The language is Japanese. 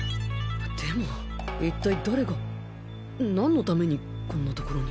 でも一体誰が何のためにこんな所に。